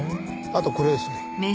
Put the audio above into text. あとこれですね。